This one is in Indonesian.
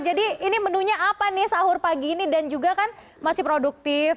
jadi ini menunya apa nih sahur pagi ini dan juga kan masih produktif